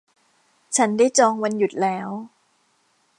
ฉันได้จองวันหยุดแล้ว